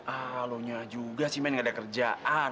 ah lo nyala juga sih men gak ada kerjaan